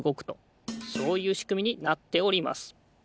そういうしくみになっております。